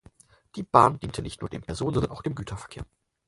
Die Bahn diente nicht nur dem Personen-, sondern auch dem Güterverkehr.